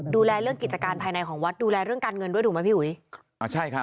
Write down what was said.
ดูแลเรื่องกิจการภายในของวัดดูแลเรื่องการเงินด้วยดูมั้ยพี่หุย